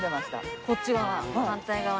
こっち側？